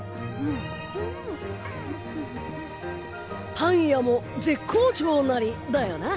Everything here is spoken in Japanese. パン屋も絶好調ナリだよな。